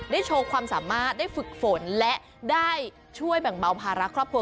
โชว์ความสามารถได้ฝึกฝนและได้ช่วยแบ่งเบาภาระครอบครัว